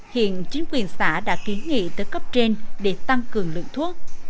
hiện chính quyền xã đã kiến nghị tới cấp trên để tăng cường lượng thuốc